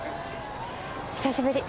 久しぶり！